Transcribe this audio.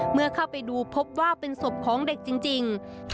เมื่อเข้าไปดูพบว่าเป็นศพของเด็กจริง